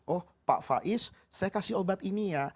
oh pak faiz saya kasih obat ini ya